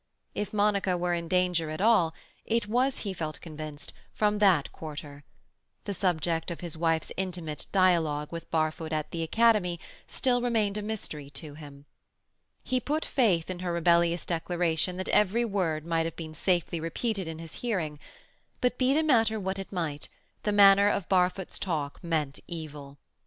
If Monica were in danger at all, it was, he felt convinced, from that quarter. The subject of his wife's intimate dialogue with Barfoot at the Academy still remained a mystery to him. He put faith in her rebellious declaration that every word might have been safely repeated in his hearing, but, be the matter what it might, the manner of Barfoot's talk meant evil.